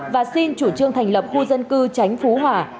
và xin chủ trương thành lập khu dân cư tránh phú hòa